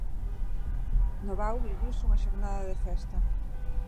No Vao viviuse unha xornada de festa.